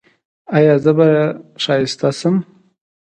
ایا زه به ښایسته شم؟